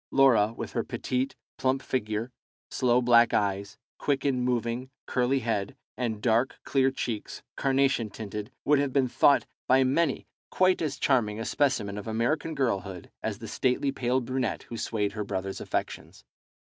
Laura, with her petite, plump figure, sloe black eyes, quick in moving, curly head, and dark, clear cheeks, carnation tinted, would have been thought by many quite as charming a specimen of American girlhood as the stately pale brunette who swayed her brother's affections.